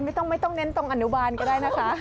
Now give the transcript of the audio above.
ไม่ต้องเน้นตรงอนุบาลก็ได้นะคะ